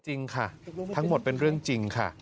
จริงค่ะทั้งหมดเป็นเรื่องจริงค่ะ